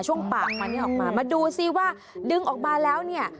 ช่วงปากมันที่ออกมามาดูซิว่าดึงออกมาแล้วเนี่ย